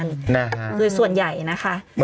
โอเคโอเคโอเค